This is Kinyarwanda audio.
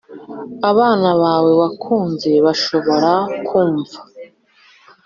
abana bawe wakunze bashobora kumva